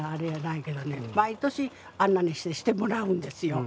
毎年あんなんにしてしてもらうんですよ。